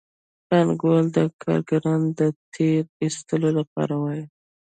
پانګوال د کارګرانو د تېر ایستلو لپاره وايي